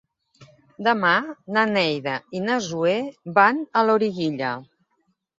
Demà na Neida i na Zoè van a Loriguilla.